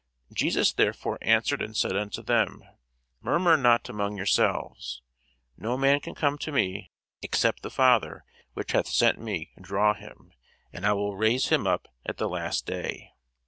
Jesus therefore answered and said unto them, Murmur not among yourselves. No man can come to me, except the Father which hath sent me draw him: and I will raise him up at the last day.